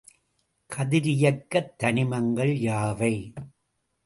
கதிரியக்கத் தனிமங்கள் யாவை?